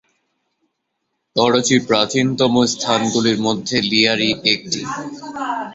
করাচীর প্রাচীনতম স্থানগুলির মধ্যে লিয়ারি একটি।